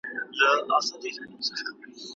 د علم ترلاسه کول اوس د پخوا په څېر سخت نه دي.